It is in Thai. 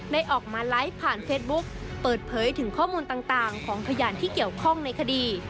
ได้ออกมาไลฟ์ผ่านเฟซบุ๊คเปิดเผยถึงข้อมูลต่างของพยานที่เกี่ยวข้องในคดี